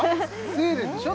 スウェーデンでしょ